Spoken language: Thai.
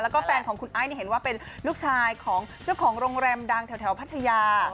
แล้วก็แฟนของคุณไอซ์เห็นว่าเป็นลูกชายของเจ้าของโรงแรมดังแถวพัทยา